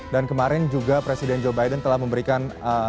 dan kemarin juga presiden joe biden telah memberikan